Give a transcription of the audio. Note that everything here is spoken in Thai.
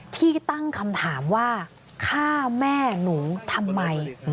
ที่ตั้งคำถามว่าฆ่าแม่หนูทำไม